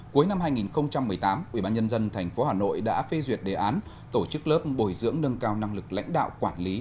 cuối năm hai nghìn một mươi tám ubnd tp hà nội đã phê duyệt đề án tổ chức lớp bồi dưỡng nâng cao năng lực lãnh đạo quản lý